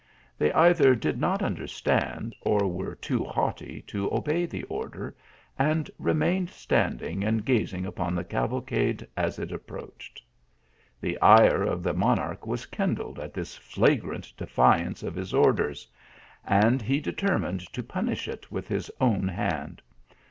They either did not understand, or were too haughty to obey the order, and remained standing and gazing upon the cavalcade as it approached. The ire of the monarch was kindled at this fla grant defiance of his orders, and he determined to punish it with his own hand.